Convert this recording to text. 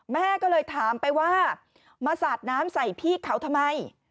แม่ก็เลยถามไปว่ามาสาดน้ำใส่พี่เขาทำไม